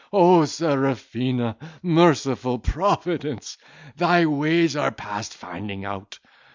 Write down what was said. O Serafina! Merciful Providence! thy ways are past finding out."